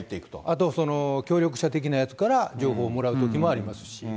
あと、協力者的なやつから情報をもらうときもありますし。